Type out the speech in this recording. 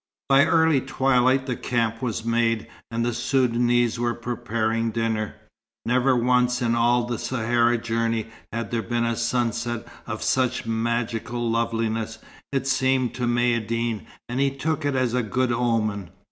By early twilight the camp was made, and the Soudanese were preparing dinner. Never once in all the Sahara journey had there been a sunset of such magical loveliness, it seemed to Maïeddine, and he took it as a good omen.